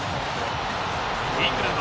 イングランド